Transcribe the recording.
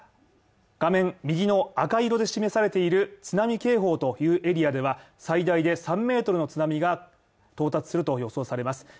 画面右の赤い色で示されている津波警報というエリアでは最大で３ｍの津波が到達すると予想されます。